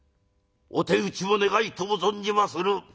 お手討ちを願いとう存じまする」。